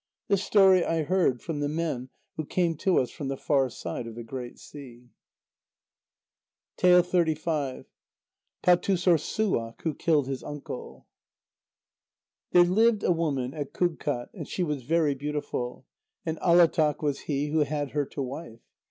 This story I heard from the men who came to us from the far side of the great sea. PÂTUSSORSSUAQ, WHO KILLED HIS UNCLE There lived a woman at Kûgkat, and she was very beautiful, and Alátaq was he who had her to wife.